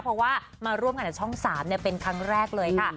เพราะว่ามาร่วมกันกับช่อง๓เป็นครั้งแรกเลยค่ะ